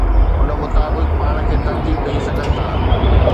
ان مطابق پاڻ کي ترتيب ڏئي سگھن ٿا.